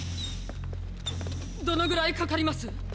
どのぐらいかかります